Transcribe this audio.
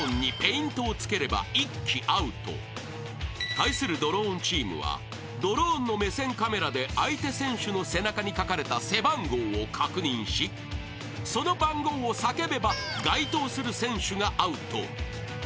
［対するドローンチームはドローンの目線カメラで相手選手の背中に書かれた背番号を確認しその番号を叫べば該当する選手がアウト］